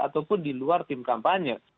ataupun di luar tim kampanye